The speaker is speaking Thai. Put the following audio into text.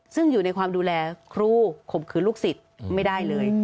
ซึ่งอยู่ในความดูแลครูข่มขืนลูกศิษย์ไม่ได้เลย